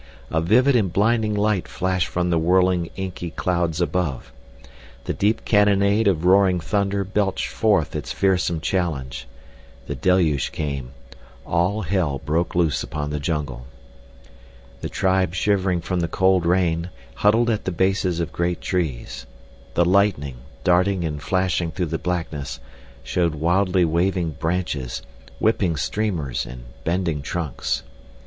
A vivid and blinding light flashed from the whirling, inky clouds above. The deep cannonade of roaring thunder belched forth its fearsome challenge. The deluge came—all hell broke loose upon the jungle. The tribe shivering from the cold rain, huddled at the bases of great trees. The lightning, darting and flashing through the blackness, showed wildly waving branches, whipping streamers and bending trunks.